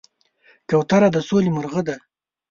کوتره د سولې مرغه ده.